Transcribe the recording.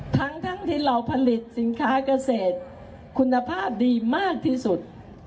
ทั้งที่เราผลิตสินค้าเกษตรคุณภาพดีมากที่สุด